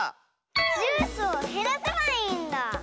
ジュースをへらせばいいんだ！